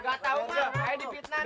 gak tahu pak saya dipitnahin